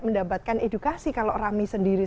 mendapatkan edukasi kalau rami sendiri